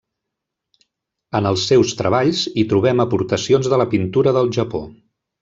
En els seus treballs hi trobem aportacions de la pintura del Japó.